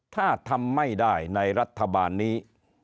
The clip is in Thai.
ถ้าทำไม่ได้ในรัฐบาลนี้